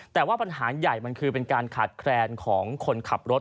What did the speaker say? แต่ว่าปัญหาใหญ่มันคือเป็นการขาดแคลนของคนขับรถ